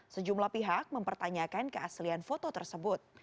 sejumlah pihak mempertanyakan keaslian foto tersebut